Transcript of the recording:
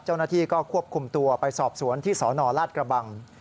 เจ้าหน้าที่ก็ควบคุมตัวไปสอบสวนที่สนราชกระบัง